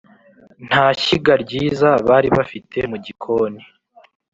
Nta shyiga ryiza bari bafite mu gikoni